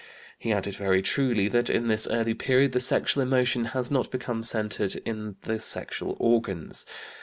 He added very truly that in this early period the sexual emotion has not become centered in the sexual organs.